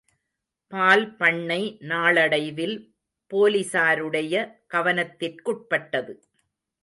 பால் பண்னை நாளடைவில் போலிஸாருடைய கவனத்திற்குட்பட்டது.